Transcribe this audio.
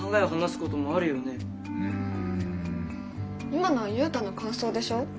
今のはユウタの感想でしょ。